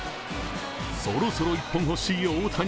そろそろ、１本ほしい大谷。